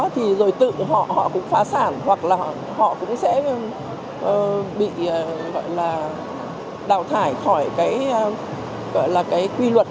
thì rồi tự họ cũng phá sản hoặc là họ cũng sẽ bị gọi là đào thải khỏi cái quy luật